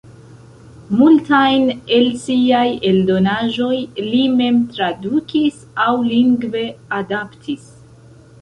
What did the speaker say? Multajn el siaj eldonaĵoj li mem tradukis aŭ lingve adaptis.